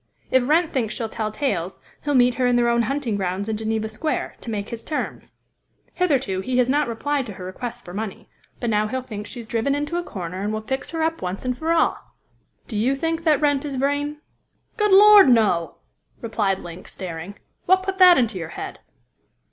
If Wrent thinks she'll tell tales, he'll meet her in their own hunting grounds in Geneva Square, to make his terms. Hitherto he has not replied to her requests for money, but now he'll think she is driven into a corner, and will fix her up once and for all." "Do you think that Wrent is Vrain?" "Good Lord! no!" replied Link, staring. "What put that into your head?"